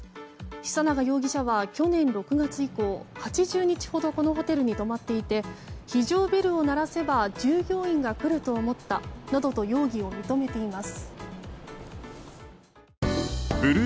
久永容疑者は去年６月以降８０日ほどこのホテルに泊まっていて非常ベルを鳴らせば従業員が来ると思ったなどと容疑を認めています。